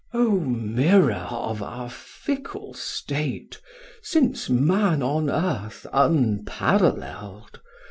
O mirror of our fickle state, Since man on earth unparallel'd!